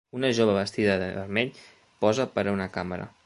Una jove vestida de vermell posa per a una càmera